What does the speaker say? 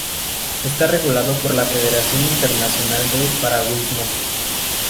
Está regulado por la Federación Internacional de Piragüismo.